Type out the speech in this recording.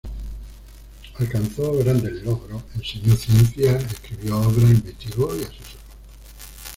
Alcanzó grandes logros, enseñó ciencia, escribió obras, investigó y asesoró.